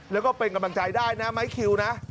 แล้วก็เป็นกำลังใจได้นะไม้คิวนะ